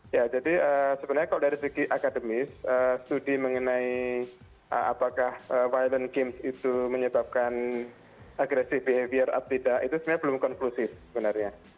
ya jadi sebenarnya kalau dari segi akademis studi mengenai apakah violent games itu menyebabkan agresif behavior atau tidak itu sebenarnya belum konklusif sebenarnya